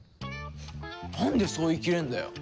なんでそう言いきれんだよ？